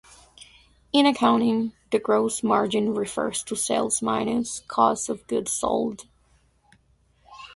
In accounting, the gross margin refers to sales minus cost of goods sold.